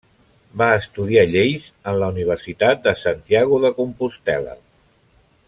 Va estudiar lleis en la Universitat de Santiago de Compostel·la.